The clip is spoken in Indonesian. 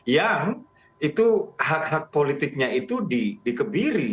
yang itu hak hak politiknya itu dikebiri